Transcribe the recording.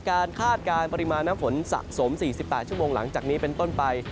คาดการณ์ปริมาณน้ำฝนสะสม๔๘ชั่วโมงหลังจากนี้เป็นต้นไป